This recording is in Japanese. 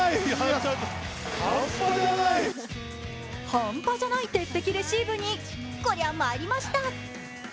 ハンパじゃない鉄壁レシーブにこりゃ参りました！